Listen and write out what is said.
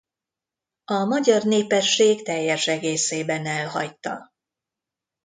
A magyar népesség teljes egészében elhagyta.